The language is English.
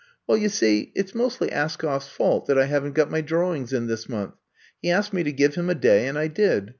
*'Well, you see, it 's mostly Askoff's fault that I have n't got my drawings In this month. He asked me to give him a day and I did.